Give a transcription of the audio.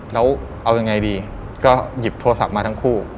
แล้วเอายังไงดีก็หยิบโทรศัพท์มาทั้งคู่